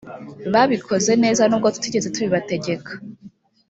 babikoze neza nubwo tutigeze tubibategeka